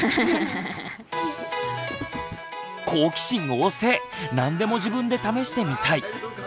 好奇心旺盛何でも自分で試してみたい。